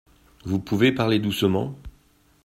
Vous pouvez parler doucement ?